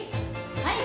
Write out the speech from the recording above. はい。